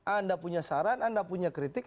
anda punya saran anda punya kritik